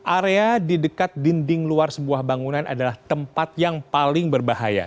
area di dekat dinding luar sebuah bangunan adalah tempat yang paling berbahaya